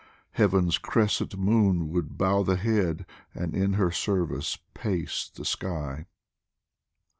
Heaven's crescent moon would bow The head, and in her service pace the sky